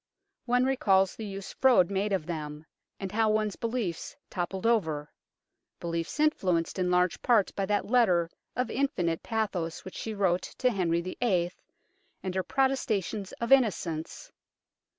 One recalls the use Froude made of them, and how one's beliefs toppled over beliefs influenced in large part by that letter of infinite pathos which she wrote to Henry VIII., and her protestations of innocence.